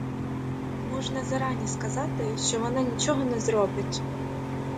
Можна зарані сказати, що вона нічого не зробить.